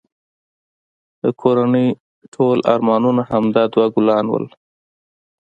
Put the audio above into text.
د کورنی ټول ارمانونه همدا دوه ګلان وه